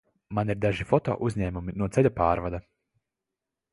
Man ir daži fotouzņēmumi no ceļa pārvada.